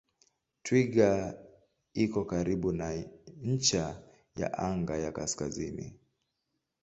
Twiga iko karibu na ncha ya anga ya kaskazini.